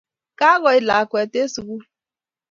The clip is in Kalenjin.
Kakoit lakwet eng sugul